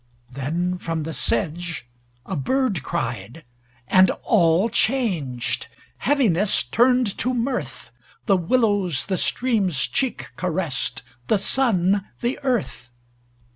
Then from the sedge a bird cried; and all changed. Heaviness turned to mirth: The willows the stream's cheek caressed, The sun the earth.